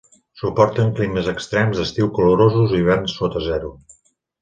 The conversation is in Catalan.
Suporten climes extrems d'estius calorosos i hiverns sota zero.